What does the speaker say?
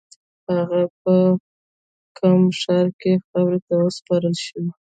هغه په قم ښار کې خاورو ته وسپارل شو.